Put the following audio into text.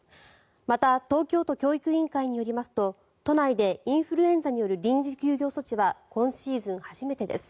また東京都教育委員会によりますと都内でインフルエンザによる臨時休業措置は今シーズン初めてです。